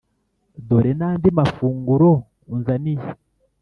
dore n'andi mafunguro unzaniye,